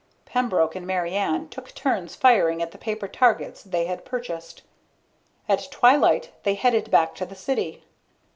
Pembroke and Mary Ann took turns firing at the paper targets they had purchased. At twilight they headed back to the city.